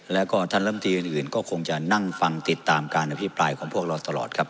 แล้วก็ท่านลำตีอื่นก็คงจะนั่งฟังติดตามการอภิปรายของพวกเราตลอดครับ